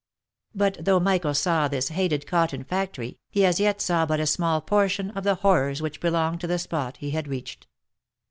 But though Michael saw this hated cotton factory, he as yet saw but a small portion of the horrors which belonged to the spot he had reached.